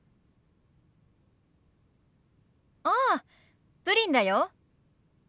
ああプリンだよ。